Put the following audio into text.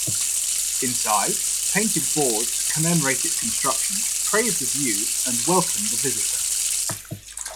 Inside, painted boards commemorate its construction, praise the view and welcome the visitor.